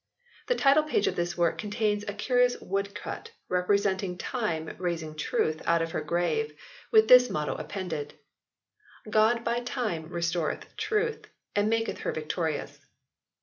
The title page of this work contains a curious woodcut repre senting Time raising Truth out of her grave, with this motto appended "God by Tyme restoreth Truth, and maketh her victorious."